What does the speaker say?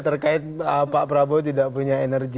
terkait pak prabowo tidak punya energi